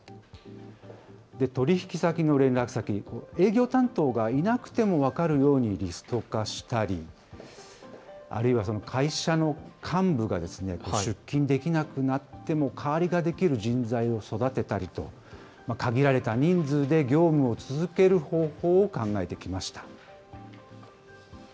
取り引き先の連絡先、営業担当がいなくても分かるようにリスト化したり、あるいは会社の幹部が出勤できなくなっても代わりができる人材を育てたりと、限られた人数で業務を続ける方法を考えてきました。